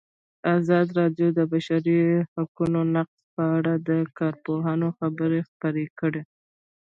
ازادي راډیو د د بشري حقونو نقض په اړه د کارپوهانو خبرې خپرې کړي.